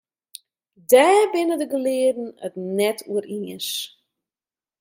Dêr binne de gelearden it net oer iens.